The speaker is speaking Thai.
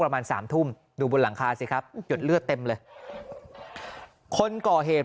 ประมาณสามทุ่มดูบนหลังคาสิครับหยดเลือดเต็มเลยคนก่อเหตุ